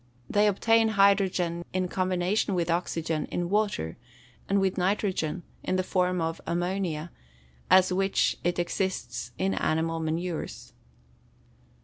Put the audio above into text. _ They obtain hydrogen in combination with oxygen in water, and with nitrogen, in the form of ammonia, as which it exists in animal manures.